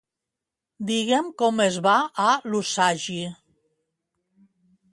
Digue'm com es va a l'Usagui.